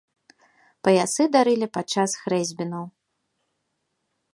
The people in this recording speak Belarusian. Паясы дарылі падчас хрэсьбінаў.